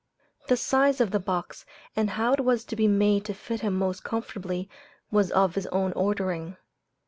The size of the box and how it was to be made to fit him most comfortably, was of his own ordering.